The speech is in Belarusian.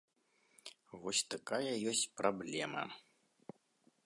Вось такая ёсць праблема.